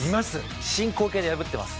進行形で破っています。